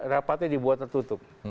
rapatnya dibuat tertutup